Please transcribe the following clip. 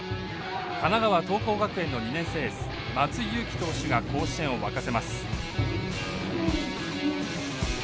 神奈川桐光学園の２年生エース松井裕樹投手が甲子園を沸かせます。